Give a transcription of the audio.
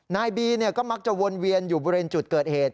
นายบีก็มักจะวนเวียนอยู่บริเวณจุดเกิดเหตุ